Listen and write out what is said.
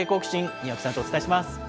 庭木さんとお伝えします。